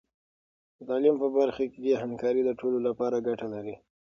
د تعلیم په برخه کې همکاري د ټولو لپاره ګټه لري.